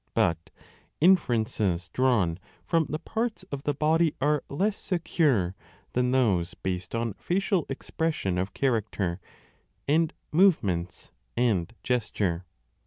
But inferences drawn from the parts of the body are less secure than those based on facial expression of character 1 and movements and gesture.